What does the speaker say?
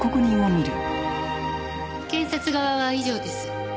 検察側は以上です。